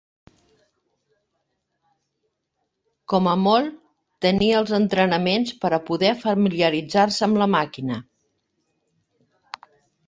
Com a molt, tenia els entrenaments per a poder familiaritzar-se amb la màquina.